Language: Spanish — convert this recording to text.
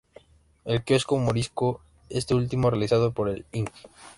El kiosco morisco, este último realizado por el Ing.